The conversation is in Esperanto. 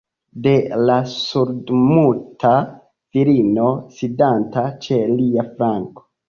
De la surdmuta virino, sidanta ĉe lia flanko.